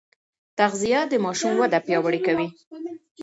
تغذيه د ماشوم وده پیاوړې کوي.